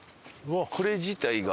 これ自体が。